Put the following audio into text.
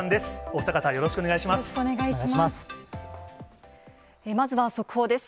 お二方、よろしくお願いいたします。